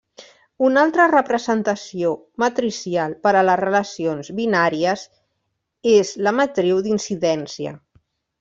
Una altra representació matricial per a les relacions binàries és la matriu d'incidència.